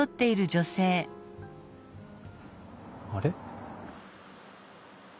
あれ？